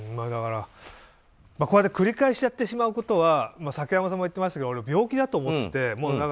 こうやって繰り返しやってしまうことは竹山さんも言ってましたけど病気だと思ってて。